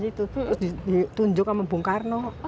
terus ditunjuk sama bung karno